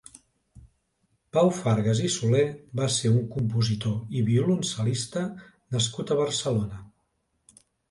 Pau Fargas i Soler va ser un compositor i violoncel·lista nascut a Barcelona.